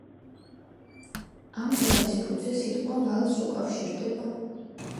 ამ გვარის ფუძე სიტყვა ვალს უკავშირდება.